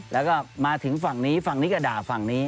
แล้วก็มาถึงฝั่งนี้ฝั่งนี้ก็ด่าฝั่งนี้